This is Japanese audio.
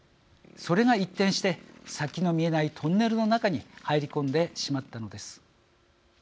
それが一転して、先の見えないトンネルの中に入り込んでしまったのです。